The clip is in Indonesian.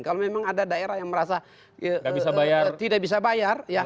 kalau memang ada daerah yang merasa tidak bisa bayar